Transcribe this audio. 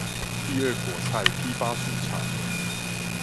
第二果菜批發市場